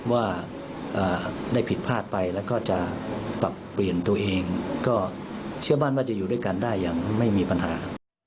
ว่าได้ผิดพลาดไปแล้วก็จะปรับเปลี่ยนตัวเองก็เชื่อมั่นว่าจะอยู่ด้วยกันได้อย่างไม่มีปัญหา